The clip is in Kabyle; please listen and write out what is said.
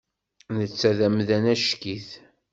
Netta d amdan acek-it.